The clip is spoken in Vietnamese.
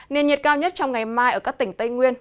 nền nhiệt cao nhất trong ngày mai ở các tỉnh tây nguyên